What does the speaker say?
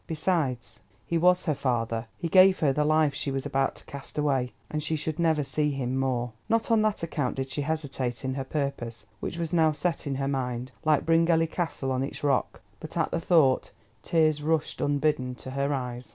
Besides, he was her father; he gave her the life she was about to cast away. And she should never see him more. Not on that account did she hesitate in her purpose, which was now set in her mind, like Bryngelly Castle on its rock, but at the thought tears rushed unbidden to her eyes.